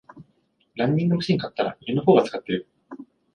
ランニングマシン買ったら犬の方が使ってる